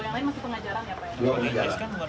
yang lain masih pengajaran ya pak ya